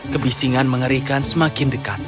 kebisingan mengerikan semakin dekat